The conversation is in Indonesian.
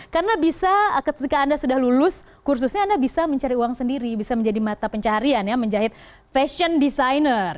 karena bisa ketika anda sudah lulus kursusnya anda bisa mencari uang sendiri bisa menjadi mata pencarian ya menjahit fashion designer